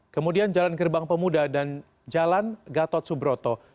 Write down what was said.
kemudian jalan gerbang pemuda dan jalan gatot subroto